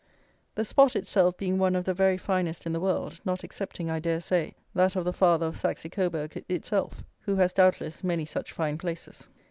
The spot itself being one of the very finest in the world, not excepting, I dare say, that of the father of Saxe Cobourg itself, who has, doubtless, many such fine places.